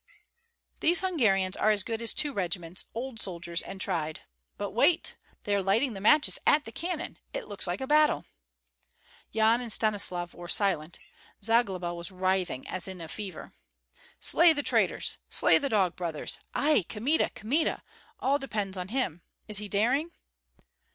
"These Hungarians are as good as two regiments, old soldiers and tried. But wait! They are lighting the matches at the cannon; it looks like a battle!" Yan and Stanislav were silent; Zagloba was writhing as in a fever, "Slay the traitors! Slay the dog brothers! Ai, Kmita! Kmita! All depends on him. Is he daring?"